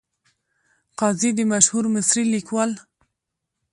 قاضي د مشهور مصري لیکوال .